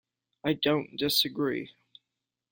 I don't disagree.